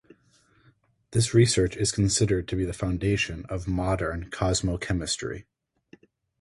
This research is considered to be the foundation of modern cosmochemistry.